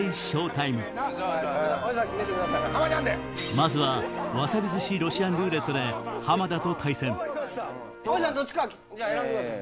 まずはわさび寿司ロシアンルーレットでどっちか選んでください。